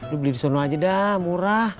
lo beli di sono aja dah murah